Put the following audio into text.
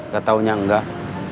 gak taunya enggak